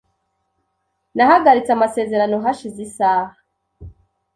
Nahagaritse amasezerano hashize isaha .